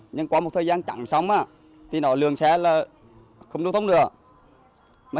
nhưng qua một thời gian chặn xong thì lường xe không đưa thông nữa